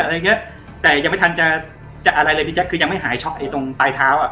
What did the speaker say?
อะไรอย่างเงี้ยแต่ยังไม่ทันจะจะอะไรเลยพี่แจ๊คคือยังไม่หายช่องตรงปลายเท้าอ่ะ